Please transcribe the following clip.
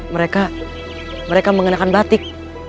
mereka mereka mengenakan batik